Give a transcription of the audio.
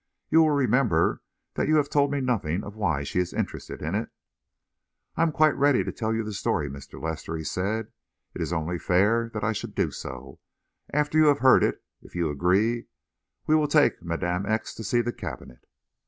You will remember that you have told me nothing of why she is interested in it." "I am quite ready to tell you the story, Mr. Lester," he said. "It is only fair that I should do so. After you have heard it, if you agree, we will take Madame X. to see the cabinet."